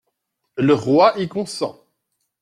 Le roi y consent.